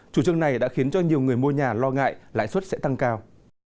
chủ trương này đã khiến cho nhiều người mua nhà lo ngại lãi suất sẽ tăng cao